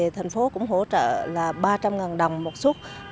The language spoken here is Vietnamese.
thành phố cũng hỗ trợ ba trăm linh ngàn đồng một xuất